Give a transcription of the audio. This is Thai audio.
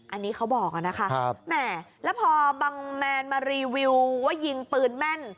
อันนี้เขาบอกอะนะคะแหมแล้วพอบังแมนมารีวิวว่ายิงปืนแม่น